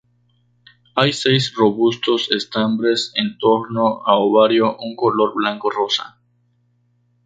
Hay seis robustos estambres en torno a ovario un color blanco o rosa.